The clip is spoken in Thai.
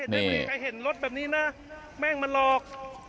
ไม่มีใครเห็นรถแบบนี้นะแม่งมาหลอก